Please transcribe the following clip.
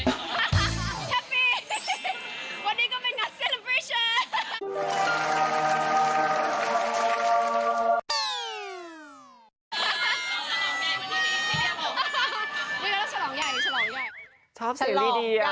แคปปี้วันนี้ก็เป็นงานเซลบรีชัน